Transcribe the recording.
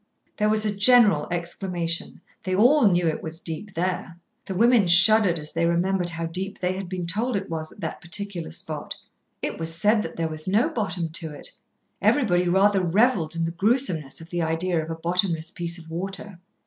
There was a general exclamation. They all knew it was deep there. The women shuddered as they remembered how deep they had been told it was at that particular spot. It was said that there was no bottom to it. Everybody rather revelled in the gruesomeness of the idea of a bottomless piece of water.